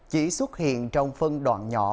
chỉ xuất hiện trong phân đoạn nhỏ